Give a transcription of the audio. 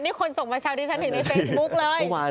นี่คนส่งมาแซวที่ฉัน